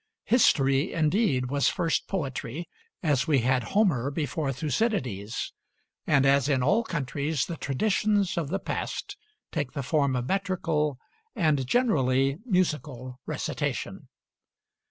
History indeed was first poetry, as we had Homer before Thucydides, and as in all countries the traditions of the past take the form of metrical, and generally musical, recitation.